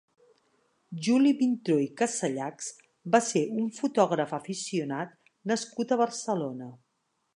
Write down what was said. Juli Vintró i Casallachs va ser un fotògraf aficionat nascut a Barcelona.